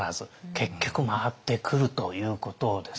結局回ってくるということですね。